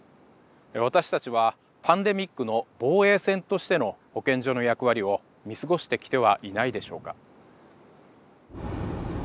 私たちはパンデミックの防衛線としての保健所の役割を見過ごしてきてはいないでしょうか？